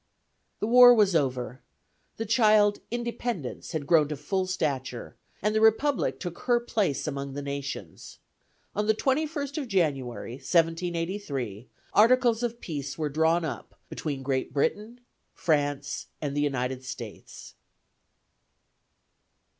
The war was over; the child Independence had grown to full stature, and the Republic took her place among the nations. On the 21st of January, 1783, articles of peace were drawn up between Great Britain, France, and the United States.